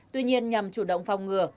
tuy nhiên nhằm chủ động phòng ngừa